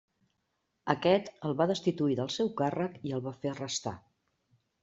Aquest el va destituir del seu càrrec i el va fer arrestar.